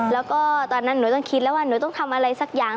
แล้วก็ตอนนั้นหนูต้องคิดแล้วว่าหนูต้องทำอะไรสักอย่าง